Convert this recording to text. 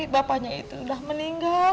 bapaknya itu sudah meninggal